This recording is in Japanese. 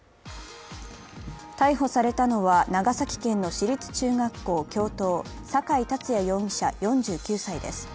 逮捕されたのは、長崎県の私立中学校教頭、酒井竜也容疑者４９歳です。